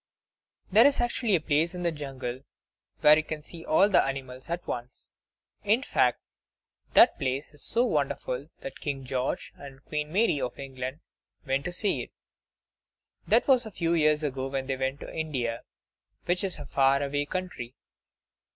There is actually a place in the jungle where you can see all the animals at once. In fact, that place is so wonderful that King George and Queen Mary of England went to see it; that was a few years ago, when they went to India, which is a far away country.